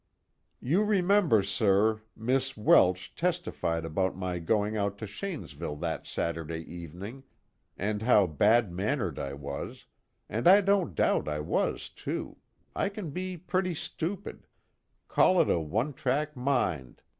_ "You remember, sir Miss Welsh testified about my going out to Shanesville that Saturday evening, and how bad mannered I was and I don't doubt I was too, I can be pretty stupid call it a one track mind.